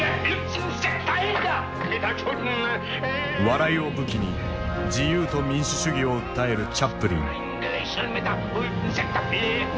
笑いを武器に自由と民主主義を訴えるチャップリン。